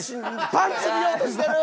パンツ見ようとしてる！